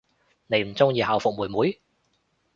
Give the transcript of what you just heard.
你唔鍾意校服妹妹？